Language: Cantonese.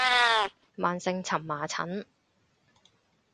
慢性蕁麻疹